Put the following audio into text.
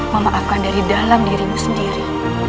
memaafkan dari dalam dirimu sendiri